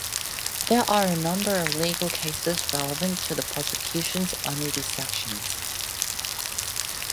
There are a number of legal cases relevant to prosecutions under these sections.